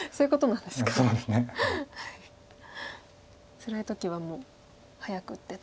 つらい時はもう早く打ってと。